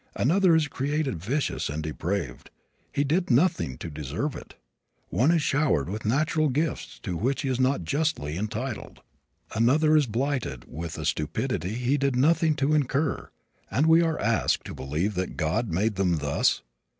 Another is created vicious and depraved. He did nothing to deserve it. One is showered with natural gifts to which he is not justly entitled. Another is blighted with a stupidity he did nothing to incur; and we are asked to believe that God made them thus!